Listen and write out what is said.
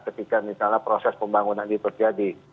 ketika misalnya proses pembangunan itu terjadi